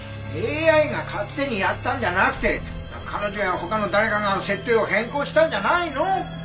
ＡＩが勝手にやったんじゃなくて彼女や他の誰かが設定を変更したんじゃないの？